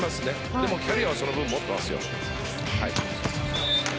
でもキャリアはその分持ってますよ。